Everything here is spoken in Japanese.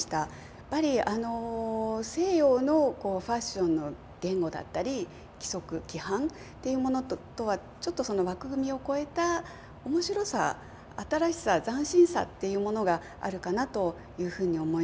やっぱり西洋のファッションの言語だったり規則規範っていうものとはちょっとその枠組みを超えた面白さ新しさ斬新さっていうものがあるかなというふうに思います。